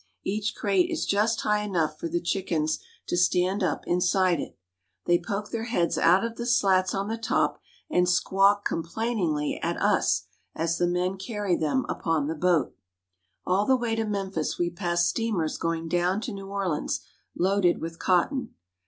Each crate is just high enough for the chickens to stand up inside it. They poke their heads out of the slats on the top, and squawk complainingly at us, as the men carry them upon the boat. All the way to Memphis we pass steamers going down to New Orleans, loaded with cotton.